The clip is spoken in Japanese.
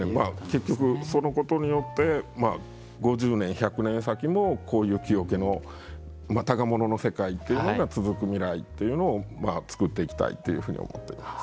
結局そのことによって５０年１００年先もこういう木桶の箍物の世界というのが続く未来というのを作っていきたいというふうに思っています。